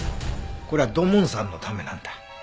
これは土門さんのためなんだ。